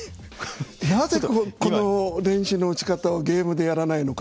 なぜこの練習の打ち方をゲームでやらないのか。